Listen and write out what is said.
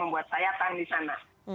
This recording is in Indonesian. membuat sayatan disana